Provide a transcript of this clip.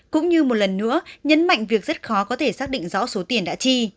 cũng như một lần nữa nhấn mạnh việc rất khó có thể xác định rõ số tiền đã chi